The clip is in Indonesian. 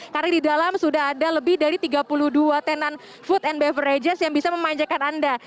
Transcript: karena di dalam sudah ada lebih dari tiga puluh dua tenang food and beverages yang bisa memanjakan anda